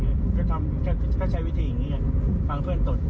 เมื่อวานก่อนเลยเด็กมองสิทธิ์ตดตลอดครั้งกลิ่นใช้ได้เลย